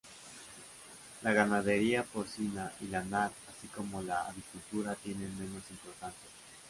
La ganadería porcina y lanar, así como la avicultura tienen menos importancia.